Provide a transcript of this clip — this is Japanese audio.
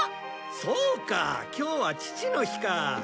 そうか今日は父の日かあ。